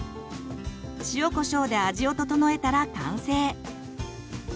塩コショウで味を調えたら完成。